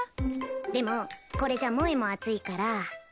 でもこれじゃあ萌も暑いから。